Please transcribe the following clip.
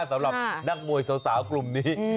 สำหรับนักมวยสาวกลุ่มนี้